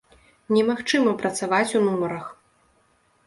Немагчыма працаваць у нумарах!!!